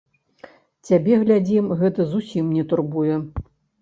Цябе, глядзім, гэта зусім не турбуе?